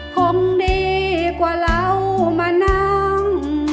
คงดีกว่าเรามานั่ง